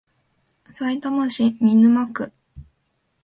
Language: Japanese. さいたま市見沼区